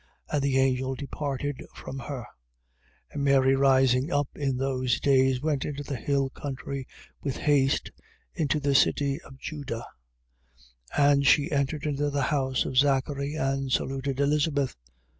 And the angel departed from her. 1:39. And Mary rising up in those days, went into the hill country with haste into a city of Juda. 1:40. And she entered into the house of Zachary and saluted Elizabeth.